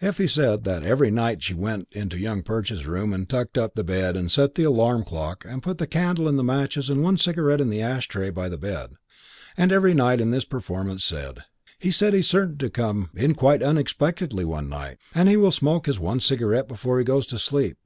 Effie said that every night she went into Young Perch's room and tucked up the bed and set the alarm clock and put the candle and the matches and one cigarette and the ash tray by the bed; and every night in this performance said, "He said he's certain to come in quite unexpectedly one night, and he will smoke his one cigarette before he goes to sleep.